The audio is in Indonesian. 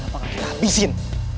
kenapa gak kita habisin